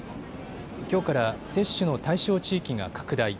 きょうから接種の対象地域が拡大。